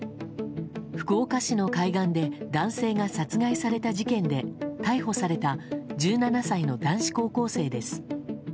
福岡市の海岸で男性が殺害された事件で逮捕された１７歳の男子高校生です。